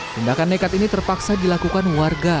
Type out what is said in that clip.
tindakan nekat ini terpaksa dilakukan warga